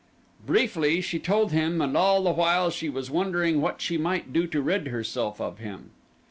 Briefly she told him and all the while she was wondering what she might do to rid herself of him.